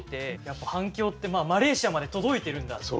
やっぱ反響ってマレーシアまで届いてるんだって。